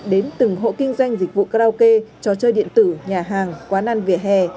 đến từng hộ kinh doanh dịch vụ karaoke trò chơi điện tử nhà hàng quán ăn vỉa hè